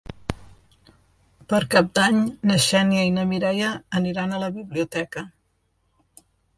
Per Cap d'Any na Xènia i na Mireia aniran a la biblioteca.